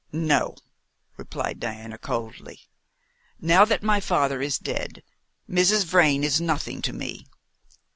"No," replied Diana coldly. "Now that my father is dead, Mrs. Vrain is nothing to me.